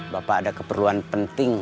bapak ada keperluan penting